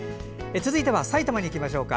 続いては、埼玉にいきましょうか。